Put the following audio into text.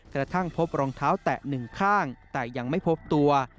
กระทั่งพบรองเท้าแตะหนึ่งข้างแต่ยังไม่พบตัว